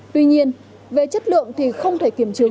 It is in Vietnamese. tuy nhiên về chất lượng thì không thể kiểm chứng